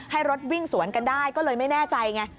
ให้รถวิ่งสวนกันได้ก็เลยไม่แน่ใจไง